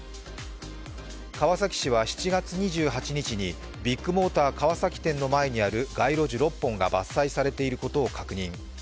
川崎市は７月２８日にビッグモーター川崎店の前にある街路樹６本が伐採されていることを確認。